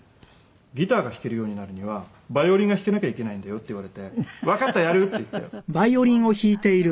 「ギターが弾けるようになるにはヴァイオリンが弾けなきゃいけないんだよ」って言われて「わかった。やる」って言ってまんまと乗っかってしまって。